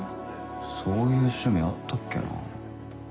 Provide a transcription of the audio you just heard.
そういう趣味あったっけな？